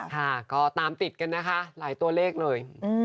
ค่ะก็ตามติดกันนะคะหลายตัวเลขเลย